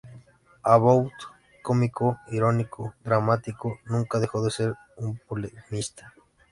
About, cómico, irónico, dramático; nunca dejó de ser un polemista.